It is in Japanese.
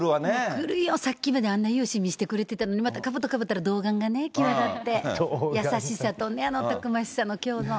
くるよ、さっきまであんな雄姿見せてくれていたのに、またかぶとかぶったら童顔が際立って、優しさとね、あのたくましさの共存。